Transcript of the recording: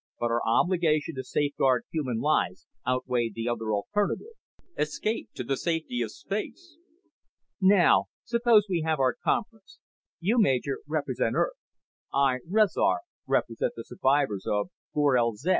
But our obligation to safeguard human lives outweighed the other alternative escape to the safety of space. Now suppose we have our conference. You, Major, represent Earth. I, Rezar, represent the survivors of Gorel zed.